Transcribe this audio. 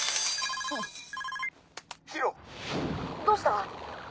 どうした？